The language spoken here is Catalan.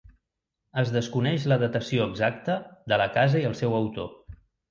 Es desconeix la datació exacta de la casa i el seu autor.